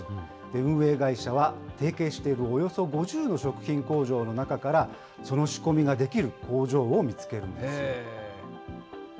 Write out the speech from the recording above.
運営会社は提携しているおよそ５０の食品工場の中からその仕込みができる工場を見つけるんです。